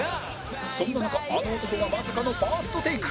そんな中あの男がまさかの「ＦＩＲＳＴＴＡＫＥ」